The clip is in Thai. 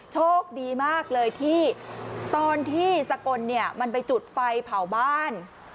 โชคดีมากเลยที่ตอนที่สกลเนี่ยมันไปจุดไฟเผาบ้าน